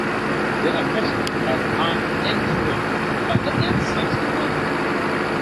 They are measured as the n-th root of the n-th central moment.